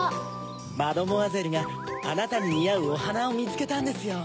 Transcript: マドモアゼルがあなたににあうおはなをみつけたんですよ。